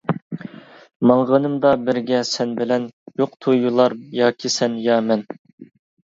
ماڭغىنىمدا بىرگە سەن بىلەن، يوق تۇيۇلار ياكى سەن يا مەن.